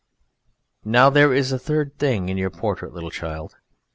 Now there is a third thing in your portrait, little child.